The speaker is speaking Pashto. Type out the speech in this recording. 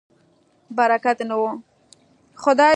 برکت یې نه و.